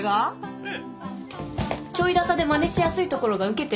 うん。